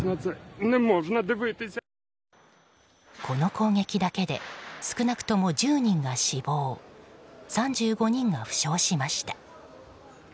この攻撃だけで少なくとも１０人が死亡３５人が負傷しました。